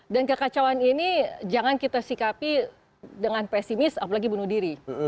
dan kekacauan ini jangan kita sikapi dengan pesimis apalagi bunuh diri